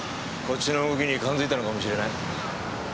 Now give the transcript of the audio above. こっちの動きに感づいたのかもしれない。